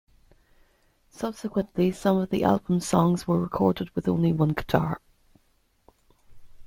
Subsequently, some of the album's songs were recorded with only one guitar.